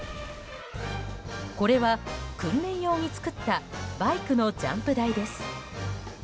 これは、訓練用に作ったバイクのジャンプ台です。